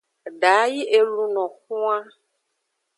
Da yi e luno xwan.